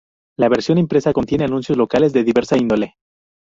La versión impresa, contiene anuncios locales de diversa índole.